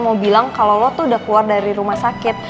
mau bilang kalau lo tuh udah keluar dari rumah sakit